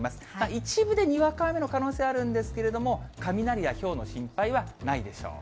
一部でにわか雨の可能性、あるんですけれども、雷やひょうの心配はないでしょう。